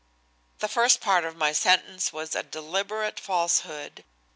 The first part of my sentence was a deliberate falsehood.